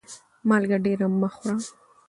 مالګه ډيره مه خوره